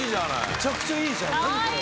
めちゃくちゃいいじゃん何これ！